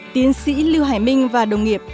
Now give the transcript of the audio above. tiến sĩ lưu hải minh và đồng nghiệp